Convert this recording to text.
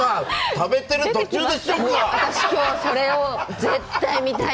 食べてる途中で。